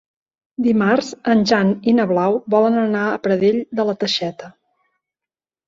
Dimarts en Jan i na Blau volen anar a Pradell de la Teixeta.